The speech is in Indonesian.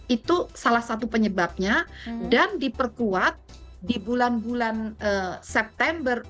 itu salah satu penyebabnya dan diperkuat di bulan bulan september